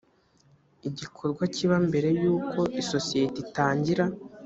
igikorwa kiba mbere y’uko isosiyete itangira